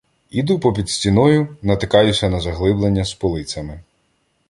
Іду попід стіною, натикаюся на заглиблення з полицями.